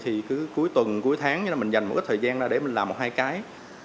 thì cứ cuối tuần cuối tháng mình dành một ít thời gian ra để mình làm một hai cái